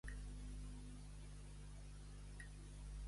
Al gat sarpada? I al colom porgueres?